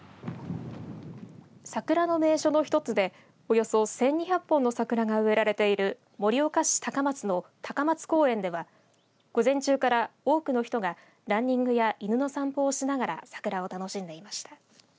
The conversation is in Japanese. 桜の名所の一つでおよそ１２００本の桜が植えられている盛岡市高松の高松公園では午前中から多くの人がランニングや犬の散歩をしながら桜を楽しんでいました。